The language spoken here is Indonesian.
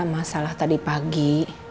masalah tadi pagi